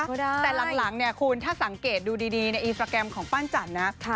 ก็ได้แต่หลังหลังเนี้ยคุณถ้าสังเกตดูดีดีในอีนสตราแกรมของปั้นจันนะค่ะ